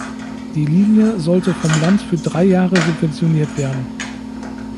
Die Linie sollte vom Land für drei Jahre subventioniert werden.